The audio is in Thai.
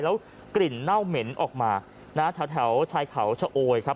แล้วกลิ่นเน่าเหม็นออกมานะฮะแถวชายเขาชะโอยครับ